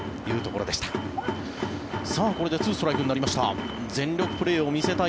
これで２ストライクになりました。